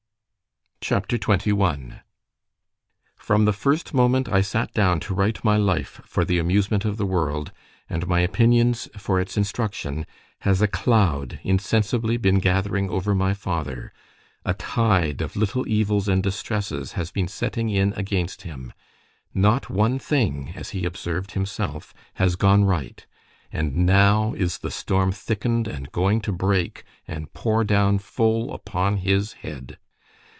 C H A P. XXI FROM the first moment I sat down to write my life for the amusement of the world, and my opinions for its instruction, has a cloud insensibly been gathering over my father.——A tide of little evils and distresses has been setting in against him.—Not one thing, as he observed himself, has gone right: and now is the storm thicken'd and going to break, and pour down full upon his head.